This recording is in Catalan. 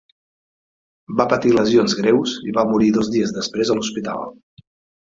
Va patir lesions greus i va morir dos dies després a l'hospital.